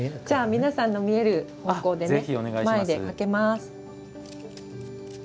皆さんの見える方向で前でかけます。